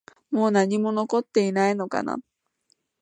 もう何も残っていないのかな？